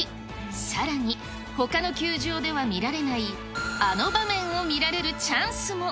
さらに、ほかの球場では見られない、あの場面を見られるチャンスも。